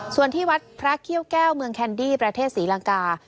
ส่วนที่วัดพระเขี้ยวแก้วเมืองแคนดี้ประเทศศรีลังกา